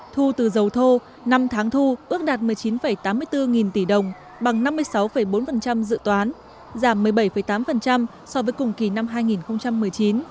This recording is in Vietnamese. thu từ dầu thô năm tháng thu ước đạt một mươi chín tám mươi bốn nghìn tỷ đồng bằng năm mươi sáu bốn dự toán giảm một mươi bảy tám so với cùng kỳ năm hai nghìn một mươi chín